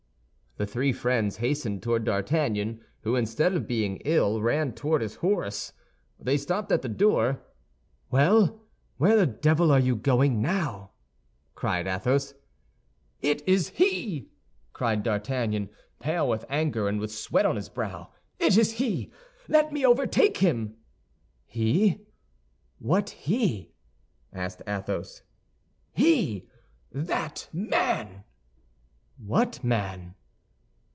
The three friends hastened toward D'Artagnan, who, instead of being ill, ran toward his horse. They stopped him at the door. "Well, where the devil are you going now?" cried Athos. "It is he!" cried D'Artagnan, pale with anger, and with the sweat on his brow, "it is he! let me overtake him!" "He? What he?" asked Athos. "He, that man!" "What man?"